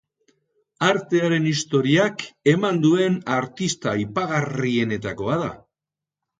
Artearen historiak eman duen artista aipagarrienetakoa da.